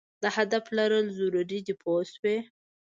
د هدف لرل ضرور دي پوه شوې!.